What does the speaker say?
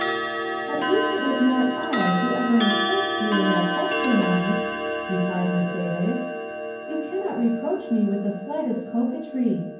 "At least it was not I who ever encouraged you in that hope, Fernand," replied Mercédès; "you cannot reproach me with the slightest coquetry.